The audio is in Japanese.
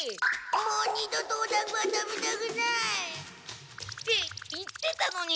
もう二度とおだんごは食べたくない。って言ってたのに！